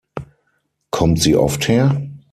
Kommt sie oft her?